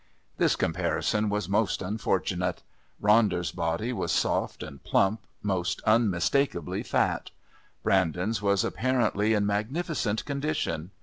This comparison was most unfortunate. Ronder's body was soft and plump, most unmistakably fat. Brandon's was apparently in magnificent condition.